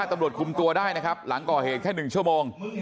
ตำรวจคุมตัวได้นะครับหลังก่อเหตุแค่๑ชั่วโมง